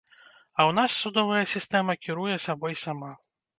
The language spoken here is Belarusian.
А ў нас судовая сістэма кіруе сабой сама.